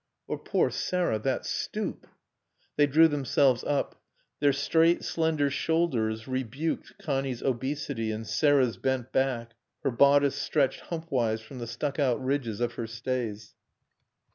"Or poor Sarah. That stoop." They drew themselves up. Their straight, slender shoulders rebuked Connie's obesity, and Sarah's bent back, her bodice stretched hump wise from the stuck out ridges of her stays.